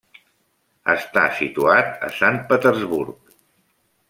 Està situat a Sant Petersburg.